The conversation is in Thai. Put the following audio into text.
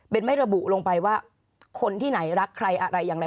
เป็นไม่ระบุลงไปว่าคนที่ไหนรักใครอะไรอย่างไร